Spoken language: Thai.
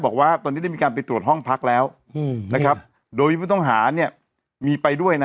บอกว่าตอนนี้ได้มีการไปตรวจห้องพักแล้วนะครับโดยผู้ต้องหาเนี่ยมีไปด้วยนะ